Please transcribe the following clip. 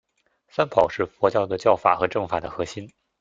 三宝是佛教的教法和证法的核心。